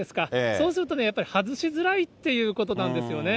そうするとね、やっぱり外しづらいってことなんですよね。